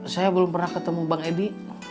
saya belum pernah ketemu bang edi